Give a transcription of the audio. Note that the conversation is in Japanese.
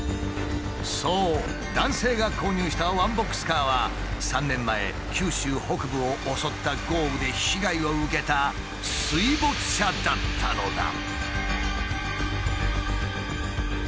そう男性が購入したワンボックスカーは３年前九州北部を襲った豪雨で被害を受けた水没車だったのだ。